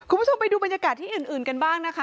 คุณผู้ชมไปดูบรรยากาศที่อื่นกันบ้างนะคะ